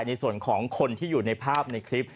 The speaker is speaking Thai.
ในส่วนของคนที่อยู่ในภาพในคลิป